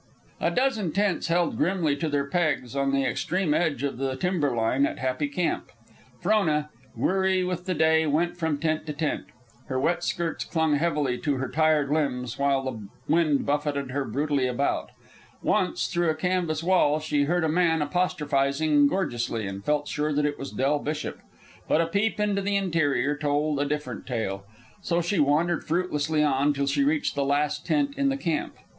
A dozen tents held grimly to their pegs on the extreme edge of the timber line at Happy Camp. Frona, weary with the day, went from tent to tent. Her wet skirts clung heavily to her tired limbs, while the wind buffeted her brutally about. Once, through a canvas wall, she heard a man apostrophizing gorgeously, and felt sure that it was Del Bishop. But a peep into the interior told a different tale; so she wandered fruitlessly on till she reached the last tent in the camp.